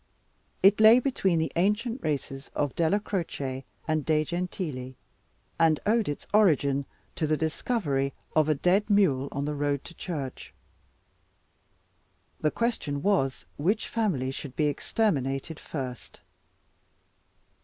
It lay between the ancient races of Della Croce, and De Gentili, and owed its origin to the discovery of a dead mule on the road to church. The question was which family should be exterminated first.